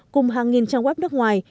cùng hàng nghìn trang web nước ngoài